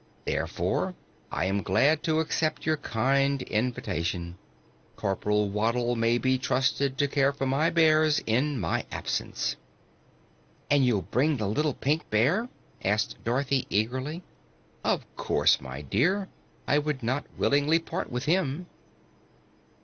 Therefore I am glad to accept your kind invitation. Corporal Waddle may be trusted to care for my bears in my absence." "And you'll bring the little Pink Bear?" asked Dorothy eagerly. "Of course, my dear. I would not willingly part with him."